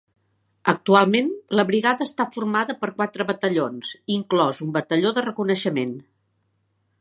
Actualment, la brigada està formada per quatre batallons, inclòs un batalló de reconeixement.